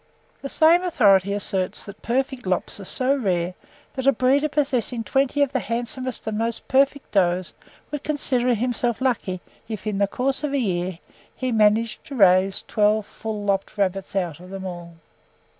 The same authority asserts that perfect lops are so rare, that a breeder possessing twenty of the handsomest and most perfect does would consider himself lucky if, in the course of a year, he managed to raise twelve full lopped rabbits out of them all.